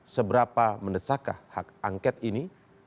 seberapa mendesakan hak angket ini